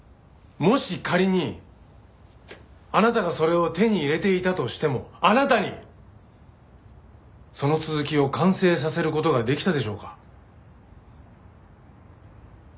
もし仮にあなたがそれを手に入れていたとしてもあなたにその続きを完成させる事ができたでしょうか？